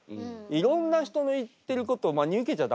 いろんな人の言ってることを真に受けちゃ駄目よ。